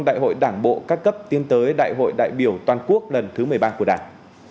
đại hội đảng bộ các cấp tiến tới đại hội đại biểu toàn quốc lần thứ một mươi ba của đảng